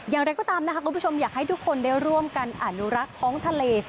อย่างไรก็ตามนะคะคุณผู้ชมอยากให้ทุกคนได้ร่วมกันอนุรักษ์ท้องทะเล